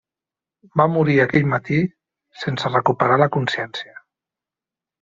Va morir aquell matí sense recuperar la consciència.